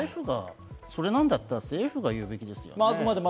それ、なんだったら政府が言うべきですよね。